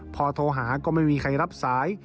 พอโทรหาก็ไม่มีใครรับสาย